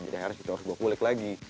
jadi akhirnya harus gue kulik lagi